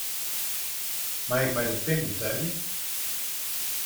Mei ik mei de pin betelje?